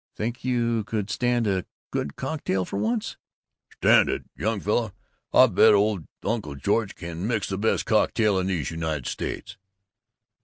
Think you could stand a good cocktail for once?" "Stand it? Young fella, I bet old Uncle George can mix the best cocktail in these United States!"